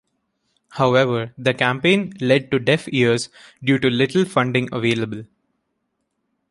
However, the campaign led to deaf ears due to little funding available.